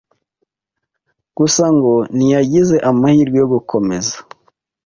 gusa ngo ntiyagize amahirwe yo gukomeza